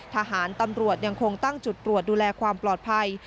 ทหารตำรวจยังคงตั้งจุดตรวจดูแลความปลอดภัย